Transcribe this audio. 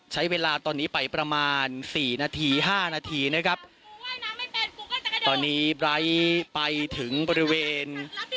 ใช้เวลาตอนนี้ไปประมาณสี่นาทีห้านาทีนะครับตอนนี้ไบร์ทไปถึงบริเวณ